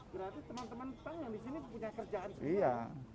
berarti teman teman punk yang disini punya kerjaan semua ya